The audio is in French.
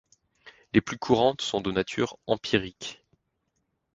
Les plus courantes sont de nature empirique.